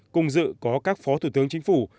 cùng dự có các phó thủ tướng chính phủ